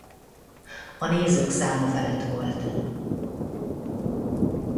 A nézők száma felett volt.